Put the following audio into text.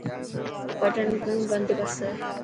بٽن ڪوڻ بندي ڪرسي.